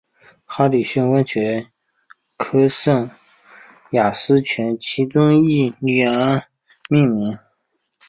哈里逊温泉原称圣雅丽斯泉其中一个女儿命名。